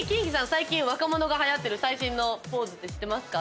最近若者にはやってる最新のポーズって知ってますか？